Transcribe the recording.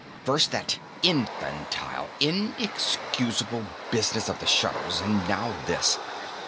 First that infantile, inexcusable business of the shutters, and now this!